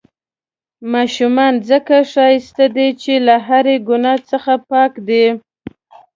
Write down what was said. ماشومان ځڪه ښايسته دي، چې له هرې ګناه څخه پاک دي.